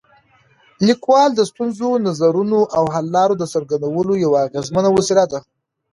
لیکوالی د ستونزو، نظرونو او حل لارو د څرګندولو یوه اغېزمنه وسیله ده.